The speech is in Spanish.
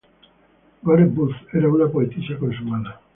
Gore-Booth era una poetisa consumada.